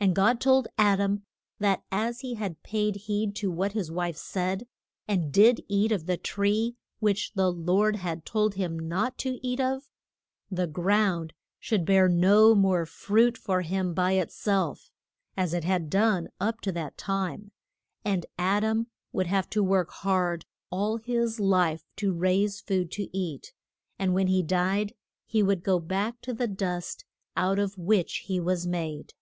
And God told Ad am that as he had paid heed to what his wife said, and did eat of the tree which the Lord had told him not to eat of, the ground should bear no more fruit for him by it self, as it had done up to this time, and Ad am would have to work hard all his life to raise food to eat, and when he died he would go back to the dust out of which he was made.